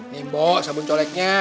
nih mbok sabun coleknya